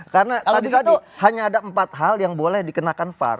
karena tadi tadi hanya ada empat hal yang boleh dikenakan far